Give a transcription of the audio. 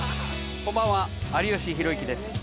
［こんばんは有吉弘行です］